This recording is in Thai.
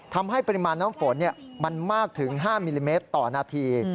ทำให้ปริมาณน้ำฝนมันมากถึง๕มิลลิเมตรต่อนาที